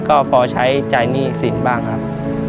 ก็พอใช้จ่ายหนี้สินบ้างครับ